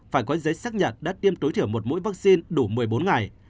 phải có giấy xác nhận đã tiêm tối thiểu một mũi vaccine đủ một mươi bốn ngày